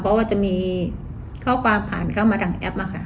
เพราะว่าจะมีข้อความผ่านเข้ามาทางแอปมาค่ะ